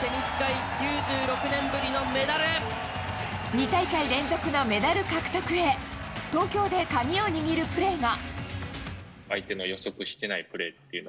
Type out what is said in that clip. ２大会連続のメダル獲得へ東京で鍵を握るプレーが。